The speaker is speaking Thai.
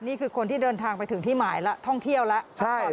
นี่คือคนที่เดินทางไปถึงที่หมายแล้วท่องเที่ยวแล้ว